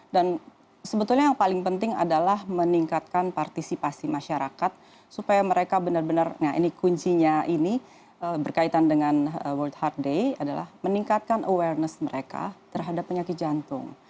dan sebetulnya yang paling penting adalah meningkatkan partisipasi masyarakat supaya mereka benar benar nah ini kuncinya ini berkaitan dengan world heart day adalah meningkatkan awareness mereka terhadap penyakit jantung